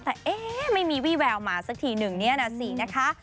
แต่เอ๊ะไม่มีวี่แววมาสักทีหนึ่งเนี่ยนะสินะคะ